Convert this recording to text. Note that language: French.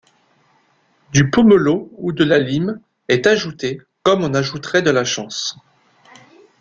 Du pomelo ou de la lime est ajouté, comme on ajouterait de la chance.